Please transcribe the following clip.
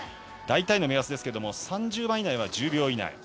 大体の目安ですけれども３０番以内は１０秒以内。